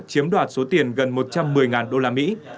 chiếm đoạt số tiền gần một trăm một mươi đô la mỹ